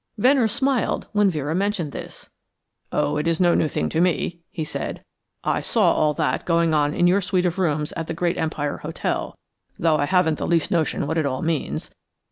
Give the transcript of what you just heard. Venner smiled when Vera mentioned this. "Oh, that's no new thing to me," he said. "I saw all that going on in your suite of rooms at the Great Empire Hotel, though I haven't the least notion what it all means.